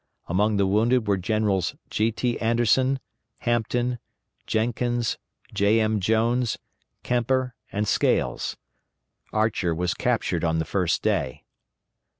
Among the wounded were Generals G. T. Anderson, Hampton, Jenkins, J. M. Jones, Kemper, and Scales. Archer was captured on the first day.